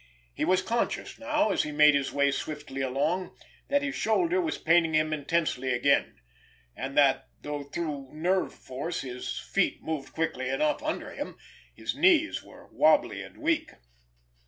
He was conscious now, as he made his way swiftly along, that his shoulder was paining him intensely again, and that, though through nerve force, his feet moved quickly enough under him, his knees were wobbly and weak.